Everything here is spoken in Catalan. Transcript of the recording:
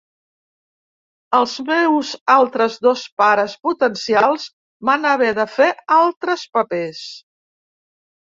Els meus altres dos pares potencials van haver de fer altres papers.